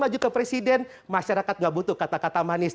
kalau mau ke presiden masyarakat gak butuh kata kata manis